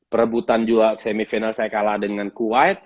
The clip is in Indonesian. perebutan juga semifinal saya kalah dengan kuwait